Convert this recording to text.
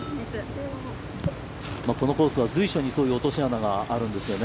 このコースは随所に落とし穴があるんですよね。